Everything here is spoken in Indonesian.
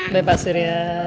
baik pak sir ya